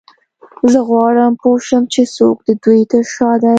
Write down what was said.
زه غواړم پوه شم چې څوک د دوی تر شا دی